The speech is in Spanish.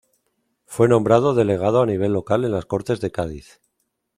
Fue nombrado delegado a nivel local en las Cortes de Cádiz.